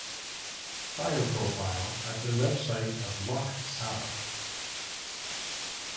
Bio Profile at the website of Lok Sabha